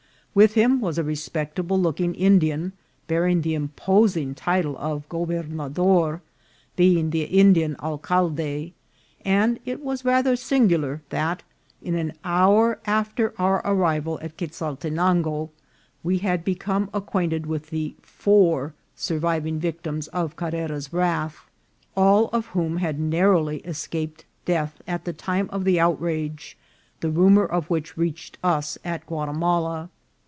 With him was a respectable looking In dian, bearing the imposing title of Gobernador, being the Indian alcalde ; and it was rather singular that, in an hour after our arrival at Quezaltenango, we had be come acquainted with the four surviving victims of Car rera's wrath, all of whom had narrowly escaped death at the time of the outrage, the rumour of which reached us at Guatimala.